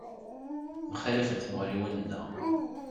Mxallafent tmuɣliwin-nneɣ.